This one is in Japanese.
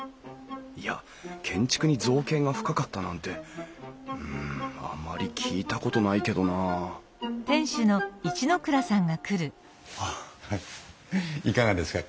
いや建築に造詣が深かったなんてうんあまり聞いたことないけどなあいかがですか？